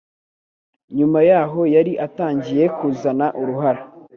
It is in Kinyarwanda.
nyuma yaho yari atangiye kuzana uruhara